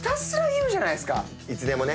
いつでもね。